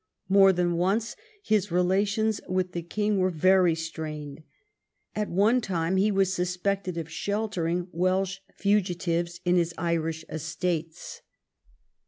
More than once his relations with the king were very strained. At one time he was suspected of sheltering Welsh fugitives in his Irish estates.